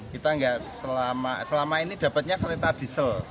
kita nggak selama ini dapatnya kereta diesel